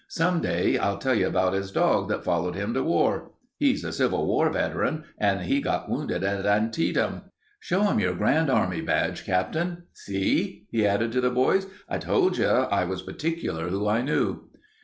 Some day I'll tell you about his dog that followed him to war. He's a Civil War veteran, and he got wounded at Antietam. Show 'em your Grand Army badge, Captain. See?" he added to the boys. "I told you I was partic'lar who I knew."